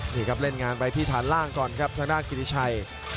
นี่ครับเล่นงานไปที่ฐานล่างก่อนครับทางด้านกิติชัย